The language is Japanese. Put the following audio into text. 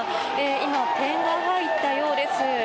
今、点が入ったようです。